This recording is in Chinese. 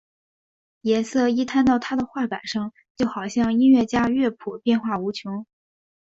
颜色一摊到他的画板上就好像音乐家的乐谱变化无穷！